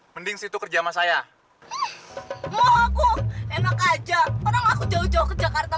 makanya jangan jahat